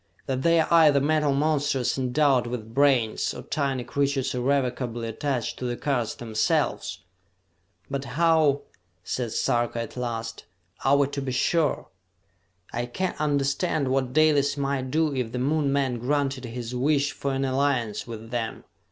That they are either metal monsters endowed with brains or tiny creatures irrevocably attached to the cars themselves!" "But how," said Sarka at last, "are we to be sure? I can understand what Dalis might do if the Moon men granted his wish for an alliance with them.